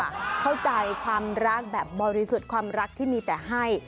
เข้าใจความรักแบบบริสุทธิ์ความรักที่มีแต่ให้